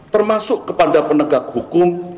termasuk kepada penegak hukum